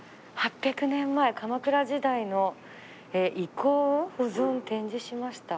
「８００年前鎌倉時代の遺構を保存展示しました」。